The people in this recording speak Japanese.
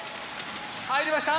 入りました！